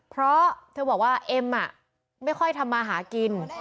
เพราะเธอบอกว่าเอ็มไม่ค่อยทำมาหากิน